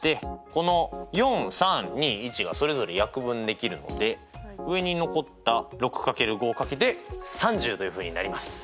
この４３２１がそれぞれ約分できるので上に残った６×５で３０というふうになります。